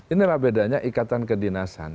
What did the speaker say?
inilah bedanya ikatan kedinasan